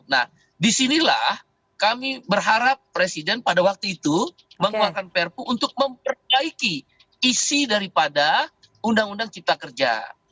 nah disinilah kami berharap presiden pada waktu itu mengeluarkan perpu untuk memperbaiki isi daripada undang undang cipta kerja